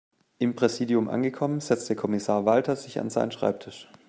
Im Präsidium angekommen, setzte Kommissar Walter sich an seinen Schreibtisch.